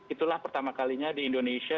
itulah pertama kalinya di indonesia